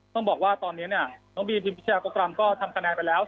ต้องบอกว่าตอนนี้เนี่ยน้องบีทีมพิชาโปรกรรมก็ทำคะแนนไปแล้ว